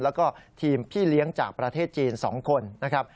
แล้วก็ทีมพี่เลี้ยงจากประเทศจีน๒คนนะครับ